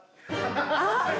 あっ！